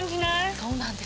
そうなんですよ。